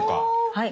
はい。